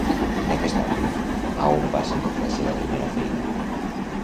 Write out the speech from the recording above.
En aquest àmbit, a on va ser la seva primera feina?